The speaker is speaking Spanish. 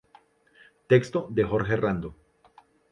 Texto de Jorge Rando.